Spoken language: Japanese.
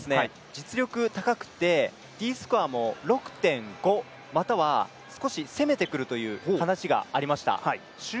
実力高くて、Ｄスコアも６．５または少し攻めてくるという話もありました。